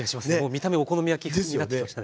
見た目お好み焼き風になってきましたね。